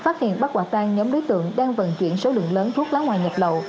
phát hiện bắt quả tang nhóm đối tượng đang vận chuyển số lượng lớn thuốc lá ngoại nhập lậu